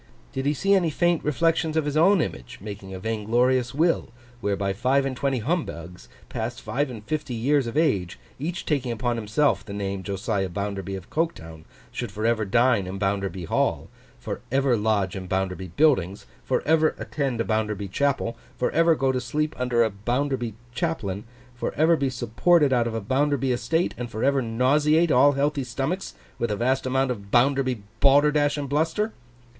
Did he see any faint reflection of his own image making a vain glorious will, whereby five and twenty Humbugs, past five and fifty years of age, each taking upon himself the name, Josiah Bounderby of Coketown, should for ever dine in Bounderby Hall, for ever lodge in Bounderby buildings, for ever attend a Bounderby chapel, for ever go to sleep under a Bounderby chaplain, for ever be supported out of a Bounderby estate, and for ever nauseate all healthy stomachs, with a vast amount of Bounderby balderdash and bluster?